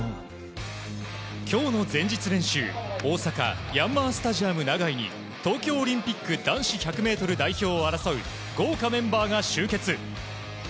今日の前日練習大阪ヤンマースタジアム長居に東京オリンピック男子１００ｍ代表を争う豪華メンバーが集結。